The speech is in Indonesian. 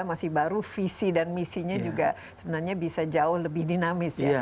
masih baru visi dan misinya juga sebenarnya bisa jauh lebih dinamis ya